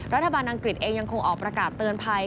อังกฤษเองยังคงออกประกาศเตือนภัย